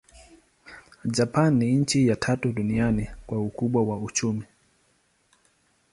Japani ni nchi ya tatu duniani kwa ukubwa wa uchumi.